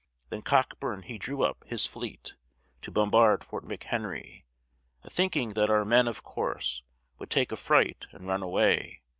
Then Cockburn he drew up his fleet, To bombard Fort McHenry, A thinking that our men, of course, Would take affright and run away.